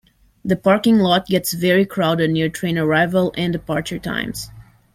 The parking lot gets very crowded near train arrival and departure times.